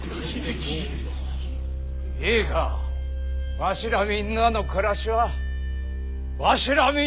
ええかわしらみんなの暮らしはわしらみんなで守るんじゃ！